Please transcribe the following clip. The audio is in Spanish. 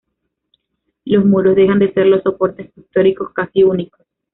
Los muros dejan de ser los soportes pictóricos casi únicos.